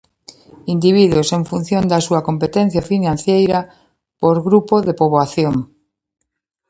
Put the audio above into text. Individuos en función da súa competencia financeira por grupo de poboación.